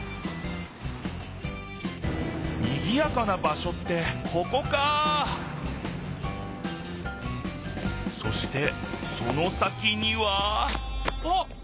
にぎやかな場しょってここかそしてその先にはあっ！